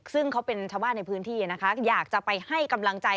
ซึ่งเขาเป็นชาวบ้านในพื้นที่นะคะอยากจะไปให้กำลังใจ